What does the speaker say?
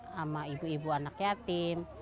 sama ibu ibu anak yatim